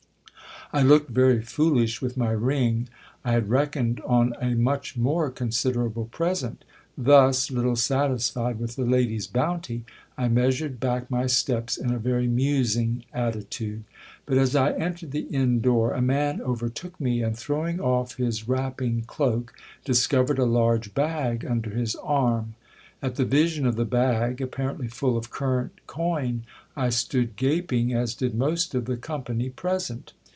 I looked very foolish with my ring ! I had reckoned on a much more consi derable present. Thus, little satisfied with the lady's bounty, I measured back my steps in a very musing attitude : but as I entered the inn door, a man over took me, and throwing off his wrapping cloak, discovered a large bag under his arm. At the vision of the bag, apparently full of current coin, I stood gaping {is did most of the company present.